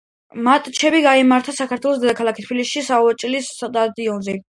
მატჩები გაიმართა საქართველოს დედაქალაქ თბილისში, ავჭალის სტადიონზე.